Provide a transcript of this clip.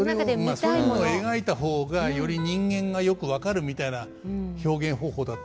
そういうものを描いた方がより人間がよく分かるみたいな表現方法だったのかもしれないですね。